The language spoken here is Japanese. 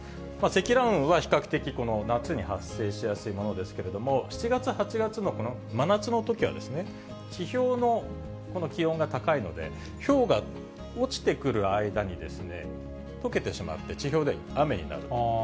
積乱雲は比較的、夏に発生しやすいものですけれども、７月、８月のこの真夏のときは、地表のこの気温が高いので、ひょうが落ちてくる間にとけてしまって、地表では雨になる。